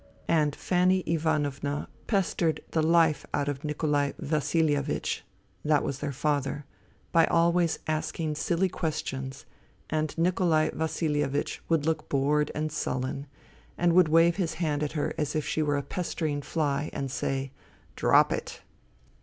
And Fanny Ivanovna pestered the life out of Nikolai Vasilievich (that was their father) by always asking silly questions, and Nikolai Vasihevich would look bored and sullen and would wave his hand at her as if she were a pestering fly and say :" Drop it